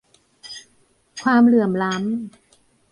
ความเหลื่อมล้ำ